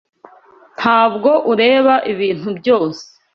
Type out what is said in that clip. Ntabwo ureba ibintu byose.